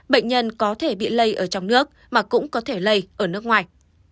bệnh nhân có thể bị lây ở trong nước mà cũng có thể lây ở nước ngoài